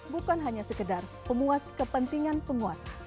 bukan hanya sekedar pemuas kepentingan penguasa